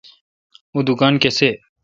اوں دکان کسے°